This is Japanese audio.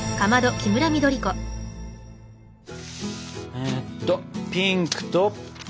えっとピンクと緑。